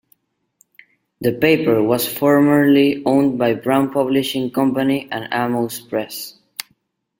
The paper was formerly owned by Brown Publishing Company and Amos Press.